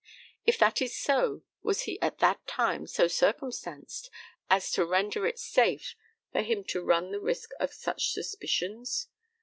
If that is so, was he at that time so circumstanced as to render it safe for him to run the risk of such suspicions?